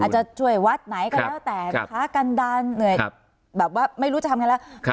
มันจะช่วยวัดไหนก็แล้วแต่ค้ากันดันเหนื่อยครับแบบว่าไม่รู้จะทำไงแล้วครับ